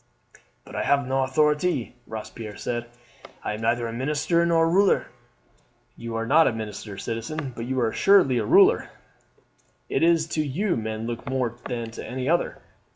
"But I have no authority," Robespierre said. "I am neither a minister nor a ruler." "You are not a minister, citizen, but you are assuredly a ruler. It is to you men look more than to any other.